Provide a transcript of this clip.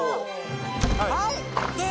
はい！